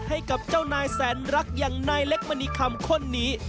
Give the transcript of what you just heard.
ให้กับเจ้านายแสนรักอย่างนายเล็กมณีคำคนนี้